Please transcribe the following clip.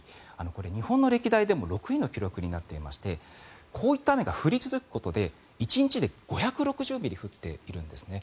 これは日本の歴代の記録でも６位となっていましてこういった雨が降り続くことで１日で５６０ミリ降っているんですね。